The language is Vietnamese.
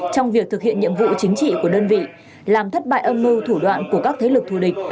trong việc thực hiện nhiệm vụ chính trị của đơn vị làm thất bại âm mưu thủ đoạn của các thế lực thù địch